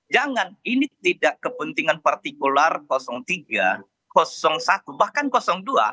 jangan ini tidak kepentingan partikular tiga satu bahkan dua